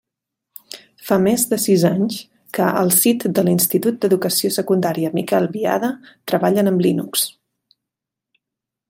Fa més de sis anys que al SIT de l'Institut d'Educació Secundària Miquel Biada treballen amb Linux.